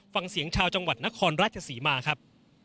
ฟังเสียงชาวจังหวัดนครราชศรีมาครับ